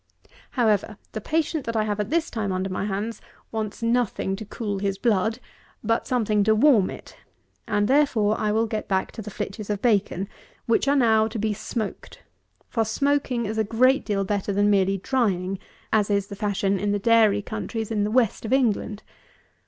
150. However, the patient that I have at this time under my hands wants nothing to cool his blood, but something to warm it, and, therefore, I will get back to the flitches of bacon, which are now to be smoked; for smoking is a great deal better than merely drying, as is the fashion in the dairy countries in the West of England.